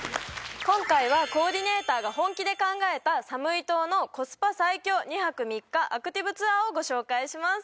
今回はコーディネーターが本気で考えたサムイ島のコスパ最強２泊３日アクティブツアーをご紹介します